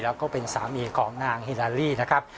แล้วก็เป็นสามีของนางฮิลาลี่นะครับ